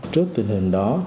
trước tình hình đó